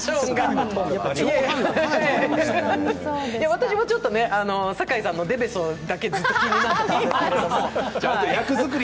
私もちょっと酒井さんのでべそだけずっと気になってたんですけど。